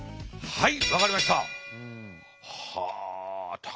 はい。